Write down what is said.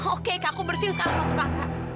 oke kak aku bersihin sekarang sepatu kakak